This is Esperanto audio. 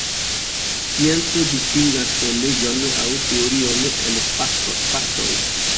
Scienco distingas leĝon aŭ teorion el faktoj.